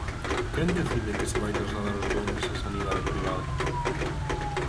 ¿Quen decide que se vai trasladar os doentes á sanidade privada?